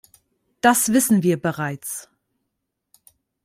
Das wissen wir bereits.